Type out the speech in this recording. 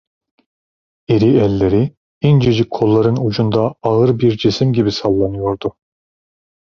İri elleri incecik kolların ucunda ağır bir cisim gibi sallanıyordu.